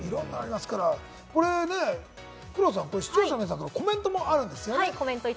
黒田さん、視聴者の人からコメントもあるんですよね。